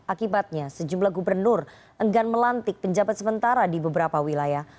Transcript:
akibatnya sejumlah gubernur enggan melantik penjabat sementara di beberapa wilayah